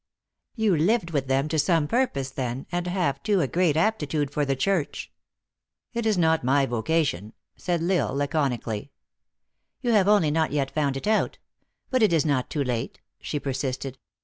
"You lived with them to some purpose, then, and have, too, a great aptitude for the church." " It is not my vocation," said L Isle, laconically. " You have only not yet found it out. But it is not too late," she persisted.